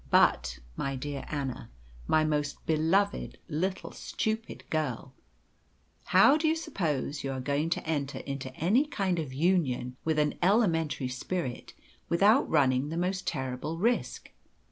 But, my dear Anna, my most beloved little stupid girl, how do you suppose you are going to enter into any kind of union with an elementary spirit without running the most terrible risk?